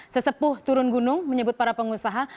sesepuh turun gunung menyebut para pengusaha